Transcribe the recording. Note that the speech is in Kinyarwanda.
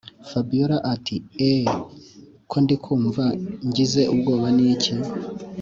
fabiora ati” eehh ko ndikumva ngize ubwoba niki